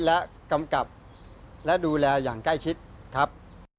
และกำกับและดูแลอย่างใกล้ชิดครับ